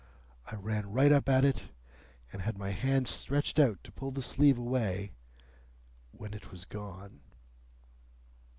I ran right up at it, and had my hand stretched out to pull the sleeve away, when it was gone."